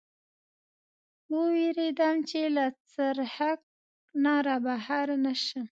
و وېرېدم، چې له څرخک نه را بهر نه شم.